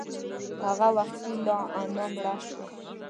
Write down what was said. هغه وختي لا انا مړه شوه.